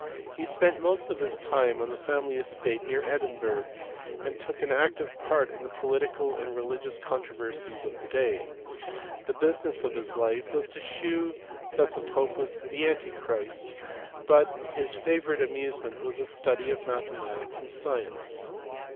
He spent most of his time on the family estate near Edinburgh, and took an active part in the political and religious controversies of the day ; the business of his life was to shew that the pope was antichrist, but his favourite amusement was the study of mathematics and science.